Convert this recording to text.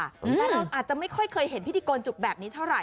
แต่เราอาจจะไม่ค่อยเคยเห็นพิธีโกนจุกแบบนี้เท่าไห